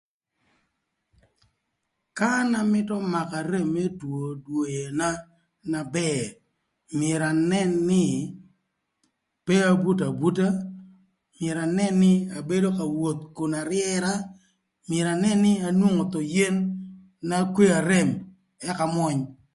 Ka an amïtö makö arem më two dwena na bë,r myero anën nï pe abuto abuta myero anën nï abedo ka woth kun aryëra, myero anën nï anwongo thon yen na kweo arem ëk amwöny.